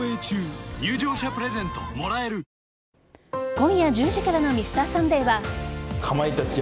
今夜１０時からの「Ｍｒ．サンデー」は。